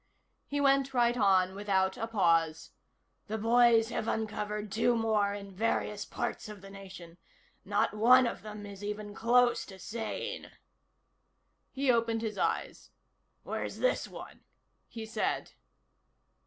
He went right on without a pause: "The boys have uncovered two more in various parts of the nation. Not one of them is even close to sane." He opened his eyes. "Where's this one?" he said.